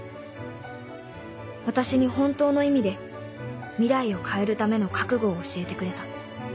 私に本当の意味で未来を変えるための覚悟を教えてくれた